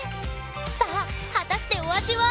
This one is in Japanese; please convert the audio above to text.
さあ果たしてお味は⁉